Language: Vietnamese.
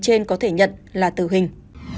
trên có thể nhận là tử hình